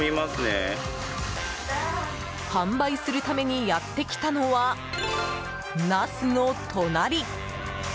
販売するためにやってきたのはナスの隣。